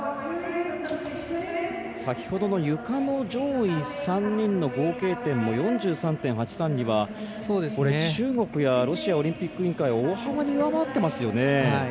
先ほどの、ゆかの上位３人の合計点の４３．８３２は中国やロシアオリンピック委員会を大幅に上回っていますよね。